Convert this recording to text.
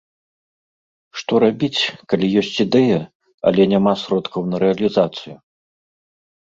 Што рабіць, калі ёсць ідэя, але няма сродкаў на рэалізацыю?